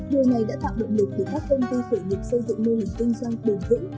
điều này đã tạo động lực để các công ty khởi nghiệp xây dựng mô hình kinh doanh bền vững